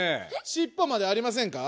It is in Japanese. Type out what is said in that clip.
しっぽまでありませんか？